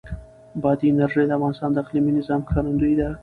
بادي انرژي د افغانستان د اقلیمي نظام ښکارندوی ده.